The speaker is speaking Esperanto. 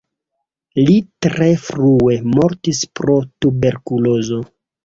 Li tre frue mortis pro tuberkulozo.